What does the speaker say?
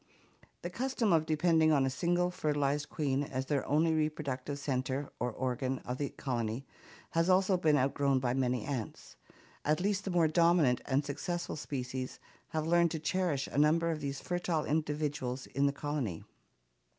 The custom of depending on a single fertilized queen as the only reproductive center or organ of the colony has also been outgrown by many ants. At least the more dominant and successful species have learned to cherish a number of these fertile individuals in the colony.